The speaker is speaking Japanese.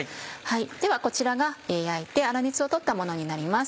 ではこちらが焼いて粗熱を取ったものになります。